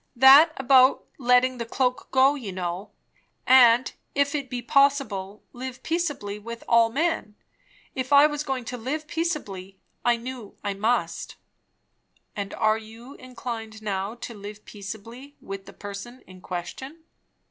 That about letting the cloak go, you know; and, 'If it be possible, ... live peaceably with all men.' If I was going to live peaceably, I knew I must." "And you are inclined now to live peaceably with the person in question?"